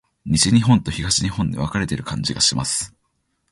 西日本と東日本で分かれている感じがします。